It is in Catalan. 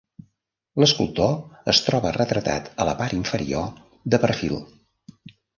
L’escultor es troba retratat a la part inferior, de perfil.